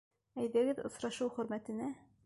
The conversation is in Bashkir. Әйҙәгеҙ, осрашыу хөрмәтенә.